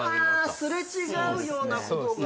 あ擦れ違うようなことが。